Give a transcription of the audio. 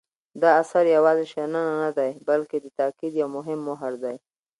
دا اثر یوازې شننه نه دی بلکې د تاکید یو مهم مهر دی.